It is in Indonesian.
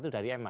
satu dari ema